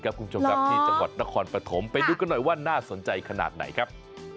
คุณผู้ชมครับที่จังหวัดนครปฐมไปดูกันหน่อยว่าน่าสนใจขนาดไหนครับ